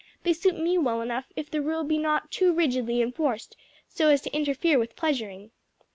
"They suit me well enough if the rule be not too rigidly enforced, so as to interfere with pleasuring."